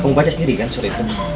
kamu baca sendiri kan surat itu